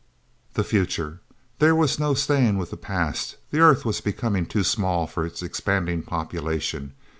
The future. There was no staying with the past. The Earth was becoming too small for its expanding population.